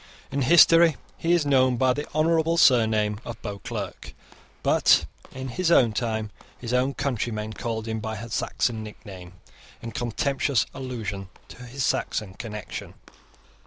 In history he is known by the honourable surname of Beauclerc; but, in his own time, his own countrymen called him by a Saxon nickname, in contemptuous allusion to his Saxon connection.